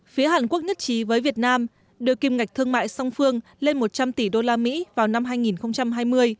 phía hàn quốc nhất trí với việt nam đưa kim ngạch thương mại song phương lên một trăm linh tỷ usd vào năm hai nghìn hai mươi